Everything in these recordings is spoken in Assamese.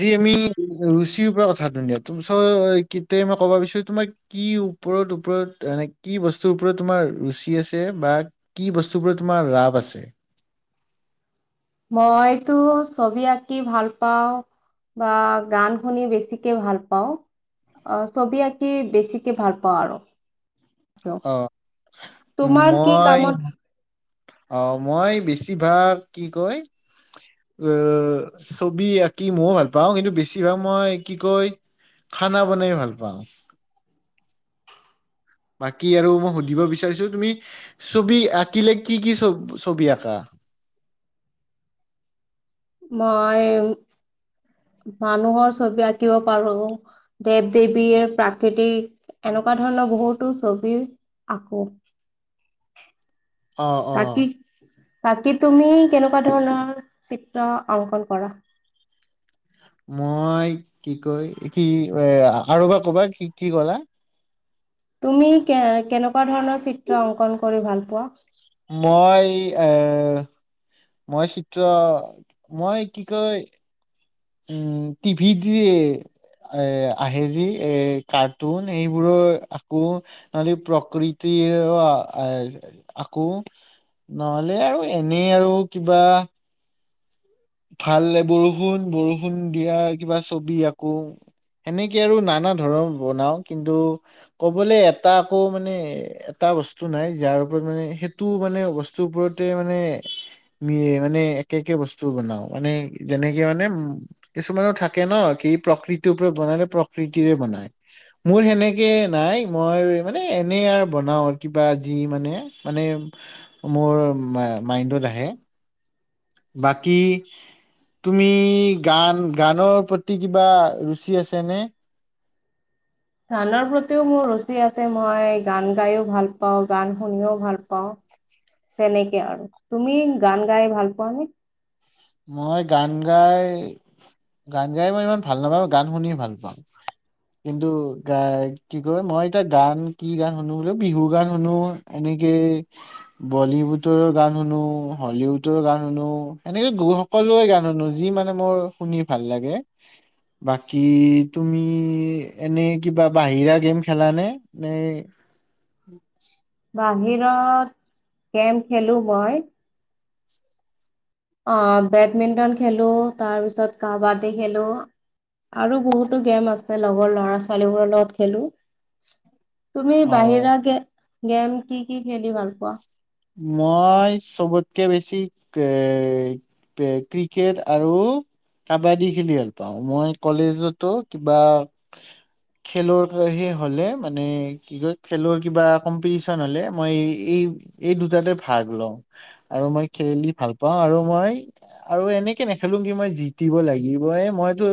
আজি আমি ৰুচিৰ পৰা কথাটো উলিয়াও, তোৰ ওচৰ কিটে মই ক'ব বিচাৰো তোমাৰ কি ওপৰত ওপৰত মানে কি বস্তুৰ ওপৰত তোমাৰ ৰুচি আছে বা কি বস্তুৰ ওপৰত তোমাৰ ৰাপ আছে? মইতো ছবি আঁকি ভাল পাওঁ বা গান শুনি বেছিকে ভাল পাওঁ। ছবি আঁকি বেছিকে ভাল পাওঁ আৰু অ তোমাৰ কি কামত অহ মই বেছিভাগ কি কয় ছবি আঁকি ময়ো ভাল পাওঁ কিন্তু বেছিভাগ মই কি কয় খানা বনাই ভাল পাওঁ। বাকী আৰু মই সুধিব বিচাৰিছো তুমি ছবি আঁকিলে কি কি ছবি আঁকা? মই মানুহৰ ছবি আঁকিব পাৰোঁ, দেৱ দেৱীৰ, প্ৰাকৃতিক এনেকুৱা ধৰণৰ বহুতো ছবি আঁকো। অহ অহ বাকী বাকী তুমি কেনেকুৱা ধৰণৰ চিত্ৰ অংকন কৰা। মই কি কয় কি এহ আৰু এবাৰ কবা কি কি কলা? তুমি কে কেনেকুৱা ধৰণৰ চিত্ৰ অংকন কৰি ভাল পোৱা। মই এহ মই চিত্ৰ মই কি কয় উম টিভিত যি এহ আহে যি এ কাৰ্টুন সেইবোৰৰ আকো নহলে প্ৰকৃতিৰ আকো নহলে আৰু এনেই আৰু কিবা ভাল বৰষুণ বৰষুণ দিয়া কিবা ছবি আঁকো, এনেকে আৰু নানা ধৰণ বনাও কিন্তু কবলে এটা আকৌ মানে এটা বস্তু নাই যাৰ ওপৰত মানে সেইটো মানে বস্তুৰ ওপৰতে মানে মি মানে একে একে বস্তু বনাও মানে যেনেকে মানে কিছুমানৰ থাকে ন কি প্ৰকৃতিৰ পৰা বনালে প্ৰকৃতিৰে বনাই মোৰ সেনেকে নাই মই মানে এনে আৰু বনাও আৰু কিবা যি মানে মানে মোৰ মাইনডত আহে বাকী তুমি গান গানৰ প্ৰতি কিবা ৰুচি আছেনে? গানৰ প্ৰতিও মোৰ ৰুচি আছে মই গান গাইও ভাল পাওঁ গান শুনিও ভাল পাওঁ। তেনেকে আৰু, তুমি গান গাই ভাল পোৱাানে? মই গান গাই গান গাই মই ইমান ভাল নাপাওঁ গান শুনি ভাল পাওঁ। কিন্তু গ কি কয় মই এতিয়া গান কি গান শুনো বোলো বিহুৰ গান শুনো, এনেকে বলীউডৰ গান শুনো, হলিউডৰ গান শুনো। এনেকে গু সকলোৱে গান শুনো যি মানে মোৰ শুনি ভাল লাগে বাকী তুমি এনে কিবা বাহিৰা গেম খেলানে নে? বাহিৰত গেম খেলো মই। অহ বেডমিণ্টন খেলো, তাৰ পিছত কাবাডী খেলো আৰু বহুতো গেম আছে লগৰ ল'ৰা ছোৱালীবোৰৰ লগত খেলো। তুমি অ বাহিৰা গেম গেম কি কি খেলি ভাল পোৱা মই চবতকে বেছি এহ ক্ৰিকেট আৰু কাবাডী খেলি ভাল পাওঁ। মই কলেজতো কিবা খেলৰে হলে মানে কি কয় খেলৰ কিবা কম্পিটিশন হলে মই এই এই দুটাতে ভাগ লওঁ আৰু মই খেলি ভাল পাওঁ আৰু মই আৰু এনেকে নেখেলো কি মই জিটিব লাগিবই, মইতো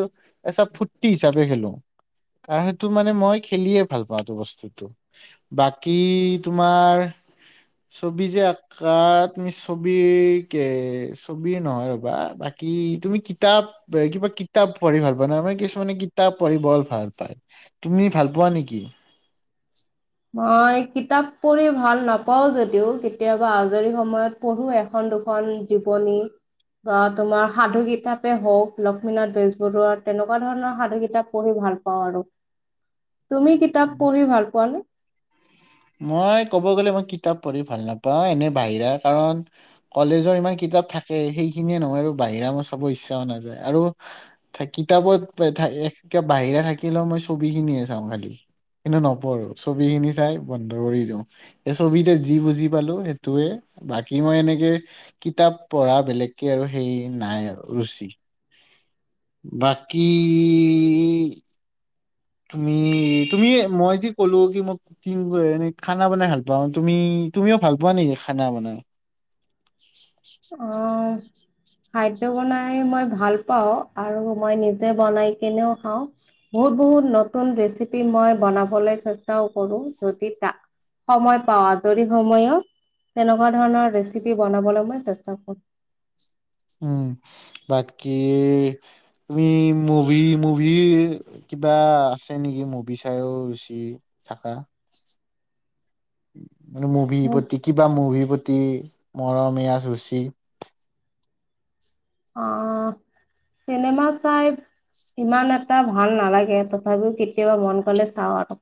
এচা ফূৰ্তি হিচাপে খেলো। কাৰণ সেইটো মানে মই খেলিয়ে ভাল পাওঁ‌ এইটো বস্তুটো। বাকী তোমাৰ ছবি যে আঁকা তুমি ছবি ছবি নহয় ৰবা বাকী তুমি কিতাপ কিবা কিতাপ পঢ়ি ভাল পা নে কিছুমানে কিতাপ পঢ়ি বৰ ভাল পায় তুমি ভাল পোৱা নেকি? মই কিতাপ পঢ়ি ভাল নাপাও যদিও কেতিয়াবা আজৰি সময়ত পঢ়ো এখন দুখন জীৱনী বা তোমাৰ সাধু কিতাপেই হওক লক্ষ্মীনাথ বেজবৰুৱাৰ তেনেকুৱা ধৰণৰ সাধু কিতাপ পঢ়ি ভাল পাওঁ আৰু তুমি কিতাপ পঢ়ি ভাল পোৱা নে? মই কব গ'লে মই কিতাপ পঢ়ি ভাল নাপাওঁ এনে বাহিৰা কাৰণ কলেজৰ ইমান কিতাপ থাকে সেইখিনিয়ে নহয় আৰু বাহিৰা মই চাব ইচ্ছাও নাযায় আৰু কিতাপত বাহিৰা থাকিলেও মই ছবি খিনিয়ে চাওঁ খালি কিন্তু নপঢ়ো ছবি খিনি চাই বন্ধ কৰি দিওঁ এই ছবিতে যি বুজি পালো সেইটোয়ে বাকী মই এনেকে কিতাপ পঢ়া বেলেগকে আৰু সেই নাই আৰু ৰুচি। বাকী তুমি তুমি মই যে কলো কি মই কি এ খানা বনাই ভাল পাওঁ তুমি তুমিও ভাল পোৱা নেকি খানা বনাই? অ খাদ্য বনাই মই ভাল পাও আৰু মই নিজে বনাই কেনেও খাওঁ বহুত বহুত নতুন ৰেচিপি মই বনাবলৈ চেষ্টাও কৰো যদি ত সময় পাওঁ আজৰি সময়ত তেনেকুৱা ধৰণৰ ৰেচিপি বনাবলৈ মই চেষ্টা তাপত উম বাকী তুমি মুভি মুভি কিবা আছে নেকি মুভি চাইও ৰুচি থাকা মানে মুভিৰ প্ৰতি কিবা মুভি প্ৰতি মৰমীয়া যুচী অহ চিনেমা চাই ইমান এটা ভাল নালাগে তথাপিও কেতিয়াবা মন গলে চাওঁ আৰু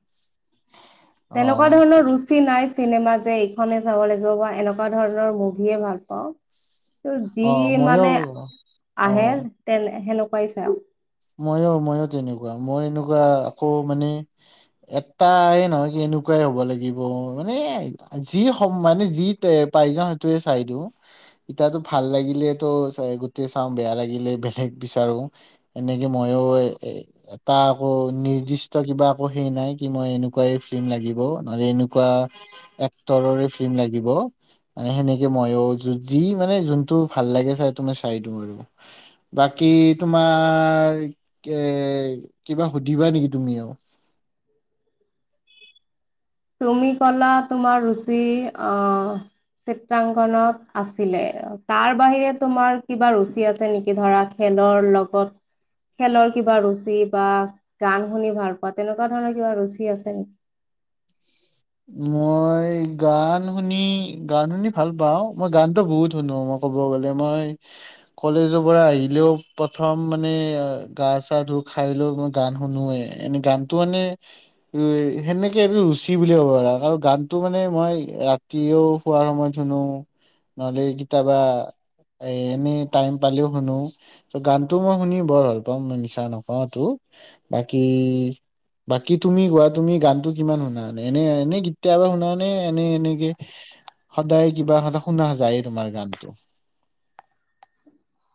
অ তেনেকুৱা ধৰণৰ ৰুচি নাই চিনেমা যে এইখনে চাব লাগিব বা এনেকুৱা ধৰণৰ মুভিয়ে ভাল পাওঁ ত যি অ মইও মানে অ আহে তে হেনো পাইছা মইো মইো তেনেকুৱা মই এনেকুৱা আকৌ মানে এটাই নহয় কি এনেকুৱাই হব লাগিব মানে যি মানে যি পাই যাওঁ সেইটোৱে চাই দিওঁ ইতিাতো ভাল লাগিলে তো গোটেই চাওঁ বেয়া লাগিলে বেলেগ বিচাৰো। এনেকে মইও আকৌ নিৰ্দিষ্ট কিবা আকৌ সেই নাই কি মই এনেকুৱাই ফিল্ম লাগিব নলে এনেকুৱা এক্টৰৰে ফিল্ম লাগিব মানে সেনেকে মইো যি মানে যোনটো ভাল লাগে চাইটো মই চাই দিওঁ আৰু বাকী তোমাৰ তোমাৰ এ কিবা সুধিবা নেকি তুমি আৰু তুমি কলা তোমাৰ ৰুচি আহ চিত্ৰাংগনত আছিলে তাৰ বাহিৰে তোমাৰ কিবা ৰুচি আছে নেকি ধৰা খেলৰ লগত খেলৰ কিবা ৰুচি বা গান শুনি ভাল পোৱা তেনকা কুৱা ধৰণৰ কিবা ৰুচি আছে নেকি। মই গান শুনি গান শুনি ভাল পাও মই গানতো বহুত শুনো মই ক'ব গলে মই কলেজৰ পৰা আহিলেও প্ৰথম মানে গা চা ধু খাই লৈও মই গান শুনোৱে এনে গানটো মানে সেনেকে এইটো ৰুচি কি বুলি ক'ব পৰা ন আৰু গানটো মানে মই ৰাতিও শোৱাৰ সময়ত শুনো নহ'লে কেতিয়াবা এ এনে টাইম পালেও শুনো গানটো মই শুনি বৰ ভাল পাওঁ মই মিছা নকওঁ এইটো বাকী বাকী তুমি গোৱা তুমি গানটো কিমান শুনা এনে এনে কেতিয়াবা শুনা নে এনে এনেকে সদায় কিবা সদায় শুনা যায় এইটো গানটো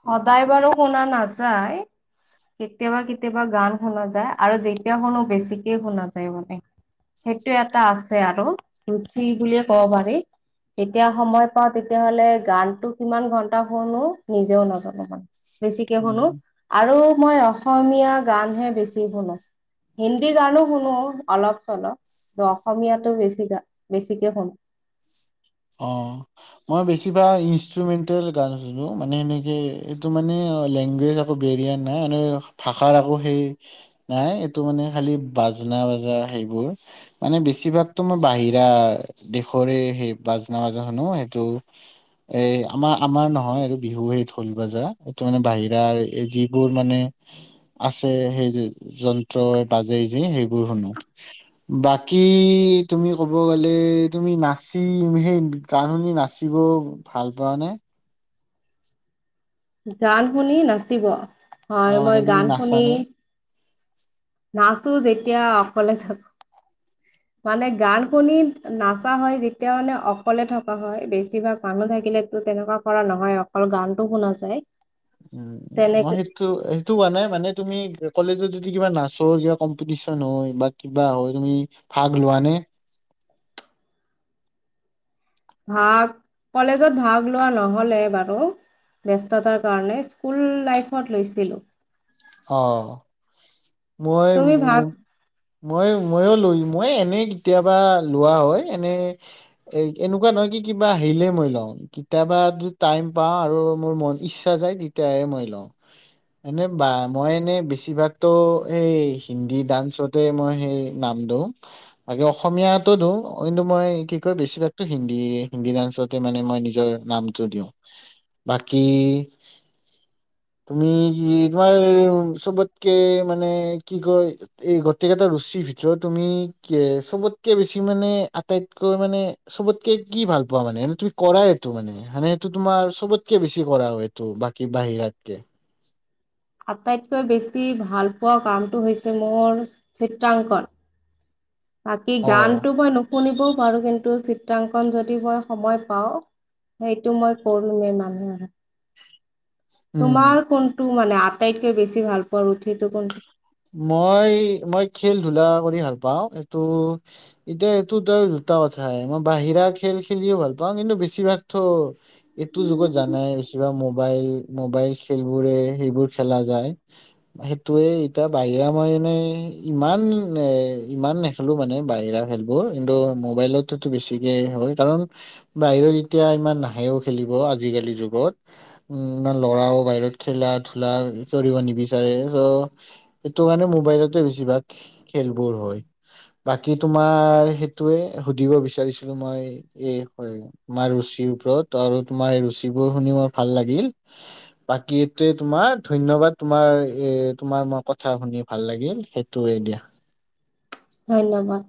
সদায় বাৰু শুনা নাযায় কেতিয়াবা কেতিয়াবা গান শুনা যায় আৰু যেতিয়া শুনো বেছিকে শুনা যায় মানে সেইটো এটা আছে আৰু ৰুচি বুলিয়ে কব পাৰি যেতিয়া সময় পাও তেতিয়াহলে গানটো কিমান ঘন্টা শুনো নিজেও নাজানো মানে বেছিকে শুনো উম আৰু মই অসমীয়া গানহে বেছি শুনো হিন্দী গানো শুনো অলপ চলপ অসমীয়াটো বেছি বেছিকে শুনো অ মই বেছিভাগ ইনষ্ট্ৰুমেণ্টেল গান শুনো মানে সেনেকে এইটো মানে লেংগুৱেজ আ বেৰিয়া নাই আৰু ভাষাৰ আকৌ সেই নাই এইটো মানে খালি বাজনা বাজা সেইবোৰ মানে বেছিভাগতো মই বাহিৰা দেশৰে সেই বাজনা বাজা শুনো সেইটো এ আমাৰ আমাৰ নহয় এইটো বিহু সেই ঢোল বাজা এইটো মানে বাহিৰাৰ এই যিবোৰ মানে আছে সেই যন্ত্ৰই বাজে যে সেইবোৰ শুনো বাকী তুমি কব গলে তুমি নাচ সেই গান শুনি নাচিব ভাল পোৱা নে গান শুনি নাচিব অ হয় মানে মই তুমি গান শুনি নাচানে নাচো যেতিয়া অকলে থাকো মানে গান শুনি নাচা হয় যেতিয়া মানে অকলে থকা হয় বেছিভাগ মানুহ থাকিলে তেনেকুৱা কৰা নহয় অকল গানটো শুনা যায়। উ মই তেনেকে সেইটো সেইটো কোৱা নাই মানে তুমি কলেজত যদি কিবা নাচৰ কিবা কম্পিটিচন হয় বা কিবা হয় তুমি ভাগ লোৱা নে ভাগ কলেজত ভাগ লোৱা নহলে বাৰু ব্যস্ততাৰ কাৰণে স্কুল লাইফত লৈছিলো আহ মই তুমি ভাগ উ মই ময়ো লৈ মই এনে কেতিয়াবা লোৱা হয় এনে এনেকুৱা নহয় কি কিবা আহিলে মই লওঁ কেতিয়াবা টাইম পাওঁ আৰু মোৰ মন ইচ্ছা যায় তেতিয়াহে মই লওঁ এনে বা মই এনে বেছিভাগতো সেই হিন্দী ডান্সতে মই সেই নাম দিওঁ বাকী অসমীয়াতো দিওঁ কিন্তু মই কি কয় বেছিভাগতো হিন্দী হিন্দী ডান্সতে মানে মই নিজৰ নামটো দিওঁ বাকী তুমি কি তোমাৰ চবতকে মানে কি কয় এই গোটেইকেইটা ৰুচিৰ ভিতৰত তুমি কি চবতকে বেছি মানে আটাইতকৈ মানে চবতকে কি ভাল পোৱা মানে তুমি কৰা এইটো মানে সেইটো তোমাৰ চবতকে বেছি কৰা হয় এইটো বাকী বাহিৰাতকে আটাইতকৈ বেছি ভাল পোৱা কামটো হৈছে মোৰ চিত্ৰাংকন বাকী অ গানটো মই নুশুনিবও পাৰো কিন্তু চিত্ৰাংকন যদি মই সময়ত পাওঁ সেইটো মই কৰিমেই মানুহে উম তোমাৰ কোনতো মানে আটাইতকৈ বছি ভাল পোৱা ৰোঠিটো কোনটো মই মই খেল ধূলা কৰি ভাল পাওঁ এইটো এতিয়া এইটোতো আৰু দুটা কথাই মই বাহিৰা খেল খেলিও ভাল পাওঁ কিন্তু বেছিভাগতো এইটো যুগত জানাই বেছিভাগ মোবাইল মোবাইল খেলবোৰে সেইবোৰ খেলা যায় সেইটোৱে এতিয়া বাহিৰা মই মনে ইমান ইমান নেখেলো মানে বাহিৰা খেলবোৰ কিন্তু মোবাইলততো বেছিকে হয় কাৰণ বাহিৰত এতিয়া ইমান নাহেও খেলিব আজিকালি যুগত ইমান ল'ৰাও বাহিৰত খেলা ধূলা কৰিব নিবিচাৰে চ' সেইটো কাৰণে মোবাইলতে বেছিভাগ খেলবোৰ হয় বাকি তোমাৰ সেইটোয়ে সুধিব বিচাৰিছিলো মই এ হয় তোমাৰ ৰুচিৰ ওপৰত আৰু তোমাৰ ৰুচিবোৰ শুনি মোৰ ভাল লাগিল বাকিটোৱে তোমাৰ ধন্যবাদ তোমাৰ এ তোমাৰ মই ক কথা শুনি ভাল লাগিল সেইটোৱে দিয়া ধন্যবাদ